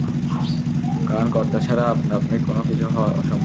কারণ কর্তা ছাড়া আপনা-আপনি কোন কিছু হওয়া অসম্ভব।